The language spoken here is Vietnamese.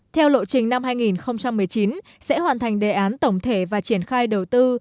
theo lộ trình năm hai nghìn một mươi chín sẽ hoàn thành đề án tổng thể và triển khai đầu tư